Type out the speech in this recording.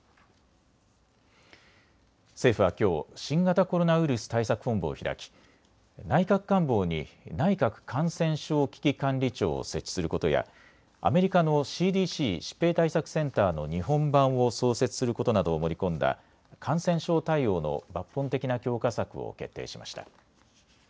政府政府はきょう新型コロナウイルス対策本部を開き内閣官房に内閣感染症危機管理庁を設置することやアメリカのＣＤＣ・疾病対策センターの日本版を創設することなどを盛り込んだ感染症対応の抜本的な強化策を決定しました。